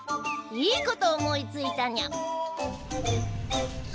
いいこと思いついたにゃ！